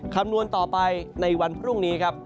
คำนวณต่อไปในวันพรุ่งนี้ครับ